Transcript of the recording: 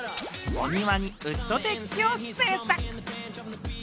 お庭にウッドデッキを製作。